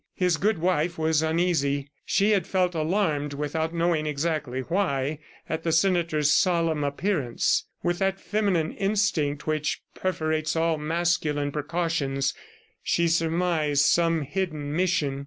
His good wife was uneasy. She had felt alarmed without knowing exactly why at the senator's solemn appearance; with that feminine instinct which perforates all masculine precautions, she surmised some hidden mission.